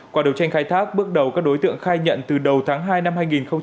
qua đầu tranh khai thác bước đầu các đối tượng khai nhận từ đầu tháng hai năm hai nghìn hai mươi